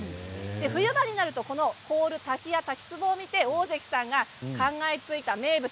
冬場になると凍る滝や滝つぼを見て大関さんが考えついた名物。